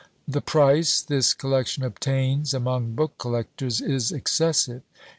The price this collection obtains among book collectors is excessive.